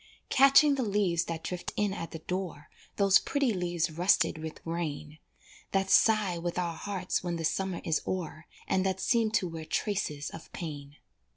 Catching the leaves that drift in at the door, Those pretty leaves rusted with rain, That sigh with our hearts when the summer is o'er, And that seem to wear traces of pain.